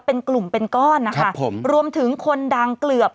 เป็นกลุ่มเป็นก้อนนะคะผมรวมถึงคนดังเกือบ